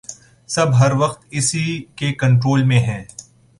سب ہر وقت اسی کے کنٹرول میں ہیں